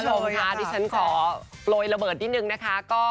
คุณผู้ชมค่ะที่ฉันขอโปรยระเบิดนิดหนึ่งขนาค้า